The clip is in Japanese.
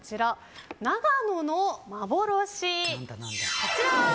長野の幻、こちら。